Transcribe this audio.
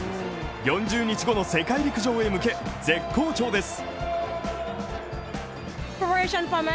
４０日後の世界陸上へ向け、絶好調です。